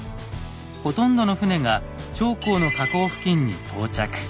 ほとんどの船が長江の河口付近に到着。